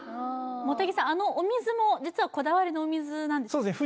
茂手木さんあのお水も実はこだわりのお水ですよね